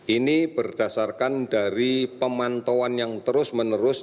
ini berdasarkan dari pemantauan yang terus menerus